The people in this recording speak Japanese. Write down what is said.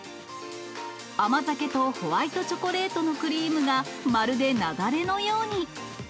甘酒とホワイトチョコレートのクリームがまるで雪崩のように。